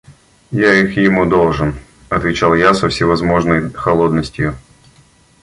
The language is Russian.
«Я их ему должен», – отвечал я со всевозможной холодностию.